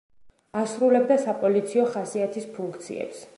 ასრულებდა საპოლიციო ხასიათის ფუნქციებს.